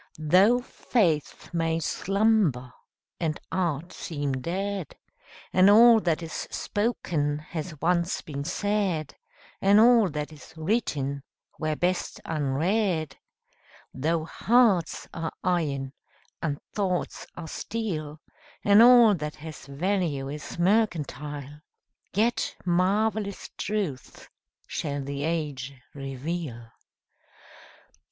Though faith may slumber and art seem dead, And all that is spoken has once been said, And all that is written were best unread; Though hearts are iron and thoughts are steel, And all that has value is mercantile, Yet marvellous truths shall the age reveal.